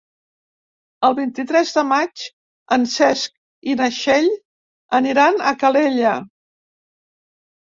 El vint-i-tres de maig en Cesc i na Txell aniran a Calella.